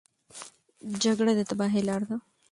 جګړه د تباهۍ لاره ده.